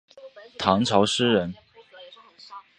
唐朝诗人。